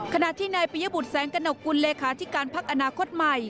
ขณะที่นายปิยบุตรแสงกระหนกกุลเลขาธิการพักอนาคตใหม่